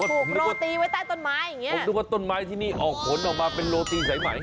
ตูกโรตีไว้ใต้ตนไม้ผมดูว่าตนไม้ที่นี่ออกโผล่นออกมาเป็นโรตีสายไหม